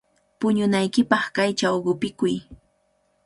Puñunaykipaq kaychaw qupikuy.